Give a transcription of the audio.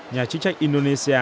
nhà chức trách indonesia